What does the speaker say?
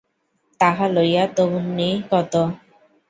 তাহা লইয়া তম্বি কত!